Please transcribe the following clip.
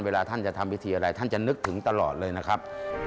เวลาท่านจะทำพิธีอะไรท่านจะนึกถึงตลอดเลยนะครับ